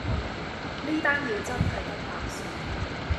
呢單嘢真係得啖笑